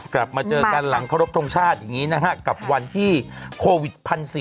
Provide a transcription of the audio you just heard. กลับมาเจอกันหลังเคารพทงชาติอย่างนี้นะฮะกับวันที่โควิด๑๔๐๐